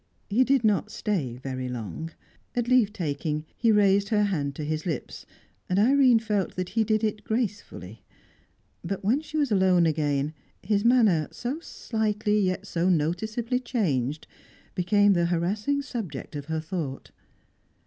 He did not stay very long. At leave taking, he raised her hand to his lips, and Irene felt that he did it gracefully. But when she was alone again, his manner, so slightly yet so noticeably changed, became the harassing subject of her thought.